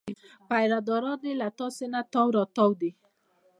پیره داران یې له تاسونه تاو راتاو دي.